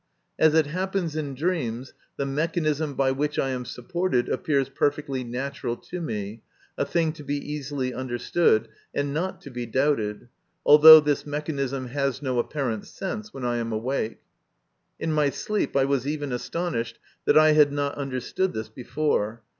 As it happens in dreams, the mechanism by which I am supported appears perfectly natural to me, a thing to be easily understood, and not to be doubted, although this mechanism has no apparent sense when I am awake. In my sleep I was even astonished that I had not understood this before.